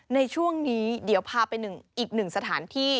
ในช่วงนี้เดี๋ยวพาไปอีกหนึ่งสถานที่